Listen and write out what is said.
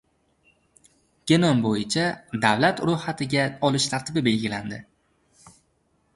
Genom bo‘yicha davlat ro‘yxatiga olish tartibi belgilandi